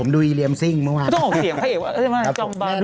ดุยเลียมซิ่งเมื่อวาน